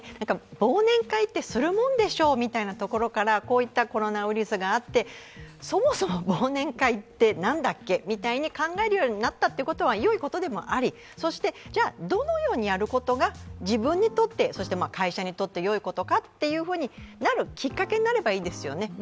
忘年会ってするもんでしょう？というところからこういったコロナウイルスがあって、そもそも忘年会って何だっけって考えるようになったというのはよいことでもあり、じゃ、どのようにやることが自分にとってそして会社にとってよいことかということになるきっかけになればいいですよね。